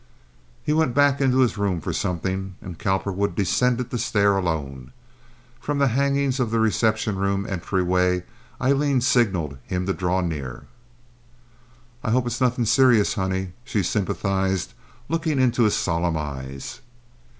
He went back in his room for something, and Cowperwood descended the stair alone. From the hangings of the reception room entryway Aileen signaled him to draw near. "I hope it's nothing serious, honey?" she sympathized, looking into his solemn eyes.